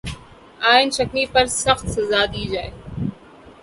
آئین شکنی پر سخت سزا دی جائے